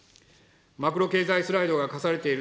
マクロ経済スライドが課されている